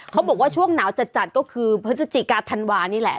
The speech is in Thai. เขาบอกว่าช่วงหนาวจัดก็คือพฤศจิกาธันวานี่แหละ